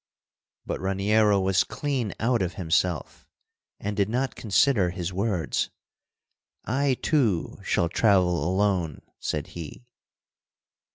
But Raniero was clean out of himself, and did not consider his words. "I, too, shall travel alone," said he.